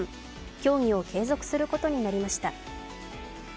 協議を継続することになりました。